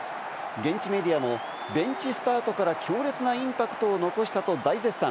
現地メディアもベンチスタートから強烈なインパクトを残したと大絶賛。